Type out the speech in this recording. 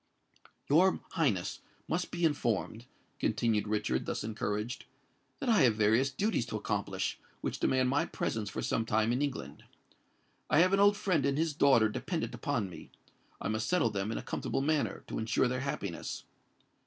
"Your Highness must be informed," continued Richard, thus encouraged, "that I have various duties to accomplish, which demand my presence for some time in England. I have an old friend and his daughter dependant upon me: I must settle them in a comfortable manner, to ensure their happiness.